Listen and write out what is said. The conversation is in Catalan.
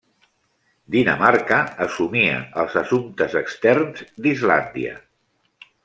Dinamarca assumia els assumptes externs d'Islàndia.